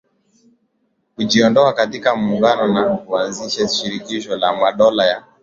kujiondoa katika Muungano na kuanzisha Shirikisho la Madola ya